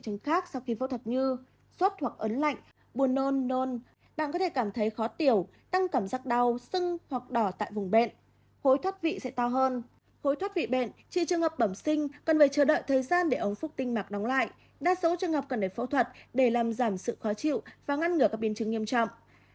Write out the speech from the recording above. chỉ trường hợp bẩm sinh cần phải chờ đợi thời gian để ống phúc tinh mạc nóng lại đa số trường hợp cần phải phẫu thuật để làm giảm sự khó chịu và ngăn ngừa các biên chứng nghiêm trọng